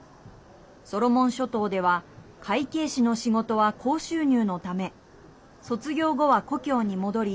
ソロモン諸島では会計士の仕事は高収入のため卒業後は故郷に戻り